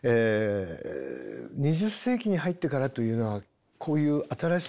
２０世紀に入ってからというのはこういう新しいリズムへのアプローチ。